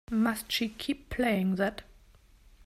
Must she keep playing that?